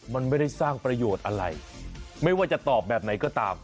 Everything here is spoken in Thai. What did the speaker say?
มันไม่ได้สร้างประโยชน์อะไรไม่ว่าจะตอบแบบไหนก็ตาม